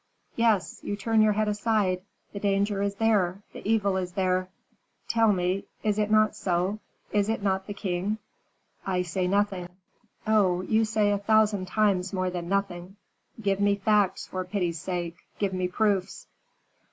"Yes. You turn your head aside. The danger is there, the evil is there; tell me, is it not so, is it not the king?" "I say nothing." "Oh! you say a thousand times more than nothing. Give me facts, for pity's sake, give me proofs.